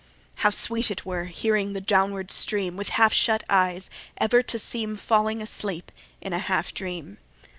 5 How sweet it were, hearing the downward stream, With half shut eyes ever to seem Falling asleep in a half dream!